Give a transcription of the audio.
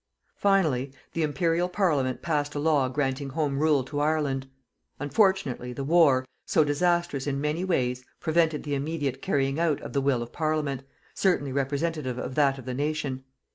Finally, the Imperial Parliament passed a law granting Home Rule to Ireland. Unfortunately, the war, so disastrous in many ways, prevented the immediate carrying out of the will of Parliament, certainly representative of that of the nation.